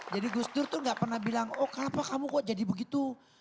jadi gus dur tuh enggak pernah bilang oh kenapa kamu kok jadi begitu